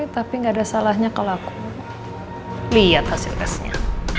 tapi gak ada salahnya kalau aku lihat hasil tesnya